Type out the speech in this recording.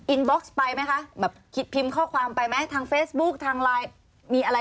บล็อกซ์ไปไหมคะแบบคิดพิมพ์ข้อความไปไหมทางเฟซบุ๊คทางไลน์มีอะไร